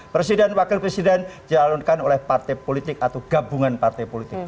presiden wakil presiden dialonkan oleh partai politik atau gabungan partai politik